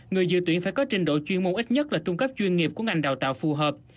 người dự tuyển phải có trình độ chuyên môn ít nhất là trung cấp chuyên nghiệp của ngành đào tạo phù hợp